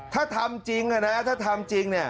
ถ้าทำจริงนะถ้าทำจริงเนี่ย